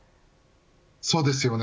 そうですよね。